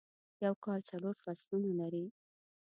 یوکال څلور فصلونه لری